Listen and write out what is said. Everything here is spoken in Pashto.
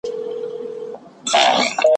مرحوم محمود طرزي له کتابو